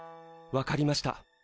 わかりました。